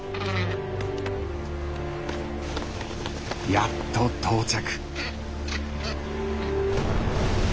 やっと到着。